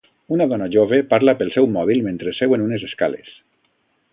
Una dona jove parla pel seu mòbil mentre seu en unes escales